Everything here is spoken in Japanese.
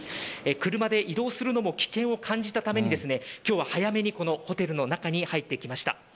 車で移動するのも危険を感じたために今日は早めにこのホテルの中に入ってきました。